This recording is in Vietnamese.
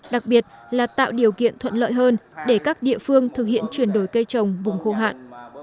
đặc biệt là tạo điều kiện thuận lợi hơn để các địa phương thực hiện chuyển đổi cây trồng vùng khô hạn